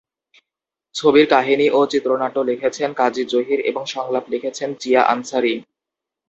ছবির কাহিনী ও চিত্রনাট্য লিখেছেন কাজী জহির এবং সংলাপ লিখেছেন জিয়া আনসারী।